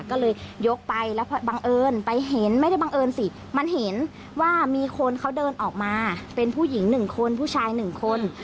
ก็เลยยกไปแล้วบังเอิญไปเห็นไม่ได้บังเอิญสิมันเห็นว่ามีคนเขาเดินออกมาเป็นผู้หญิง๑คนผู้ชาย๑คน